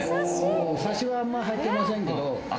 サシはあまり入っていませんけど。